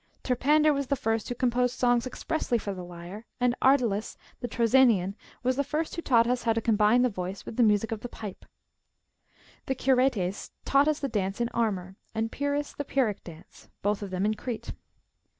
Terpander was the first who composed songs expressly for the lyre ; and Ardalus, the Troezenian, was the first who tauglit us how to combine the voice with the music of the pipe.'^^ The Cui'etes taught us the dance in armour,^' and Pyrrhus, the Pyrrhic dance, both of them in Crete.